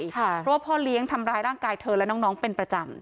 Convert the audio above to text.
เพราะว่าพ่อเลี้ยงทำร้ายร่างกายเธอและน้องเป็นประจำ